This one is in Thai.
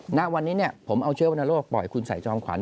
หน้าวันนี้ผมเอาเชื้อวันทะโลกปล่อยคุณสัยจอมขวัญ